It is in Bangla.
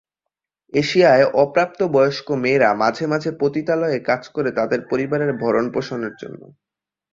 এশিয়ায়, অপ্রাপ্তবয়স্ক মেয়েরা মাঝে মাঝে পতিতালয়ে কাজ করে তাদের পরিবারের ভরণপোষণের জন্য।